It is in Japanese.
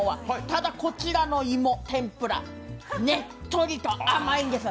ただ、こちらの芋天ぷら、ねっとりと甘いんです。